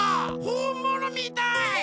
ほんものみたい！